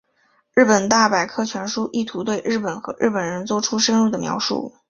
日本大百科全书意图对日本和日本人作出深入的描述。